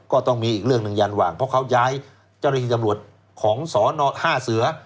ก็ต้องมีอีกเรื่องหนึ่งยันหว่างเพราะเขาย้ายเจ้าหน้าที่จำรวจของสน๕เสือ